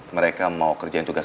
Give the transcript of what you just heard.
mereka mau kerjaan tugasnya